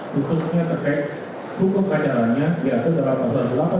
khususnya terkait hukum kajalannya diatur dalam pasal delapan puluh dua dua h